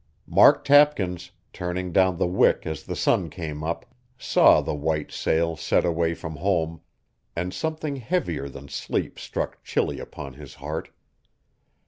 Mark Tapkins, turning down the wick as the sun came up, saw the white sail set away from home; and something heavier than sleep struck chilly upon his heart.